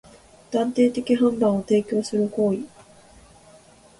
断定的判断を提供する行為